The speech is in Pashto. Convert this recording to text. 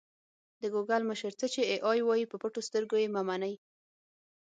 د ګوګل مشر: څه چې اې ای وايي په پټو سترګو یې مه منئ.